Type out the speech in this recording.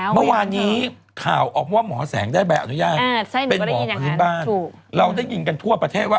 เมื่อวานนี้ข่าวออกว่าหมอแสงได้ใบอนุญาตเป็นหมอพื้นบ้านเราได้ยินกันทั่วประเทศว่า